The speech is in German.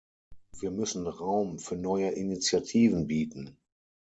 Wir müssen Raum für neue Initiativen bieten.